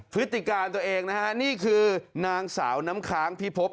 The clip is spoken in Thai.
พฤติการตัวเองนะฮะนี่คือนางสาวน้ำค้างพิพบ